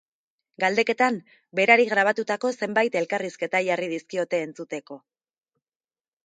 Galdeketan, berari grabatutako zenbait elkarrizketa jarri dizkiote entzuteko.